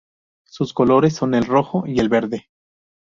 Sus colores son el rojo y el verde.